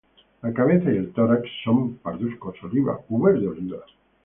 La cabeza y el tórax son parduscos-oliva u verde oliva.